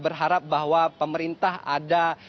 berharap bahwa pemerintah ada